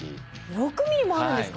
６ｍｍもあるんですか？